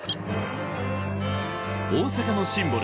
大阪のシンボル